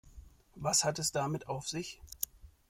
Was hat es damit auf sich?